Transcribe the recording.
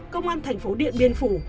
công an thành phố điện biên phủ